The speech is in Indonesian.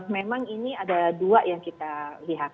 memang ini ada dua yang kita lihat